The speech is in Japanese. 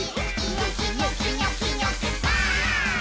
「ニョキニョキニョキニョキバーン！」